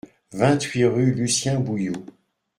vingt-huit rue Lucien-Bouillot